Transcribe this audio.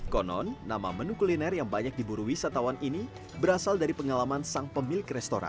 konon nama menu kuliner yang banyak diburu wisatawan ini berasal dari pengalaman sang pemilik restoran